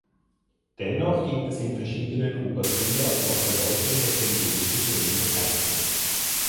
Dennoch gibt es in verschiedenen Upazilas noch bedeutende hinduistische Minderheiten.